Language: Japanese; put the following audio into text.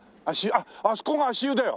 あっあそこが足湯だよ！